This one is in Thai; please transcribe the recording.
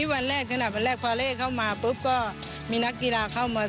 ชาวจังหวัดใกล้เคียงมาเที่ยวมาชมกีฬากันเยอะนะ